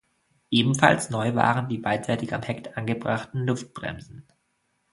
Ebenfalls neu waren die beidseitig am Heck angebrachten Luftbremsen.